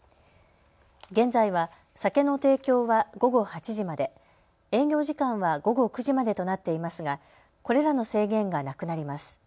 現在は酒の提供は午後８時まで、営業時間は午後９時までとなっていますがこれらの制限がなくなります。